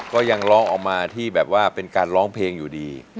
ก็ยังร้องออกมาที่แบบว่าเป็นการร้องเพลงอยู่ดี